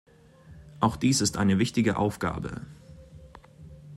Auch dies ist eine wichtige Aufgabe!